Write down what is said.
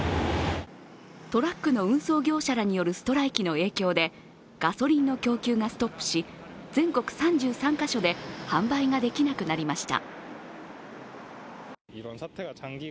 トラックの運送業者らによるストライキの影響でガソリンの供給がストップし、全国３３か所で販売ができなくなりました。